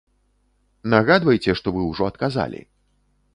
Нагадвайце, што вы ўжо адказалі.